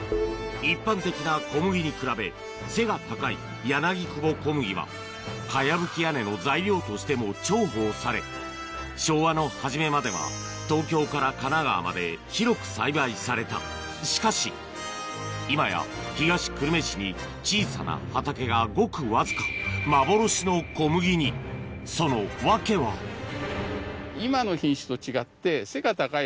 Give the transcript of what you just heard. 一般的な小麦に比べ背が高い柳久保小麦は茅葺き屋根の材料としても重宝され昭和の初めまでは東京から神奈川まで広く栽培されたしかし今や東久留米市に小さな畑がごくわずか幻の小麦にその訳はそっか。